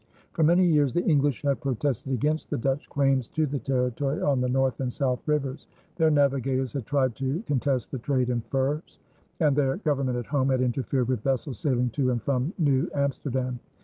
For many years the English had protested against the Dutch claims to the territory on the North and South rivers. Their navigators had tried to contest the trade in furs, and their Government at home had interfered with vessels sailing to and from New Amsterdam.